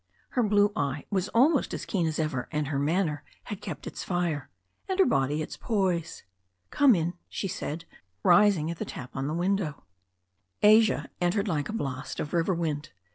Her blue eye was almost as keen as ever, and her manner had kept its fire, and her body its poise. "Come in," she said, rising at the tap on her window pane. Asia entered like a blast of river wind.